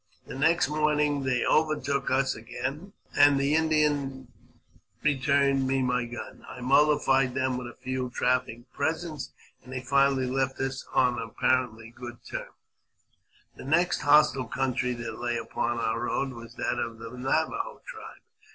The next morning they overtook us again, and the Indian returned me my gun. I molUfied them with a few trifling presents, and they finally left us on apparently good terms. The next hostile country that lay upon our road was that of the Navajo tribe.